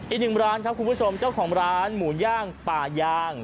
อีกหนึ่งร้านครับคุณผู้ชมเจ้าของร้านหมูย่างป่ายาง